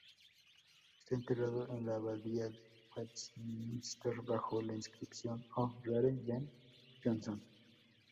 Está enterrado en la Abadía de Westminster bajo la inscripción "O Rare Ben Jonson,".